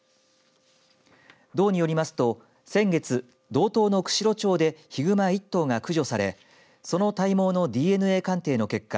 道によりますと先月道東の釧路町でヒグマ１頭が駆除されその体毛のＤＮＡ鑑定の結果